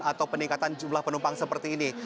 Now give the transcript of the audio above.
atau peningkatan jumlah penumpang seperti ini